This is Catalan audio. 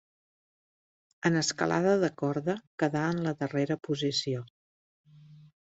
En escalada de corda quedà en la darrera posició.